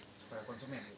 kepada konsumen ya